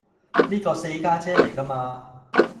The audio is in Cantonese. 呢個四家姐嚟㗎嘛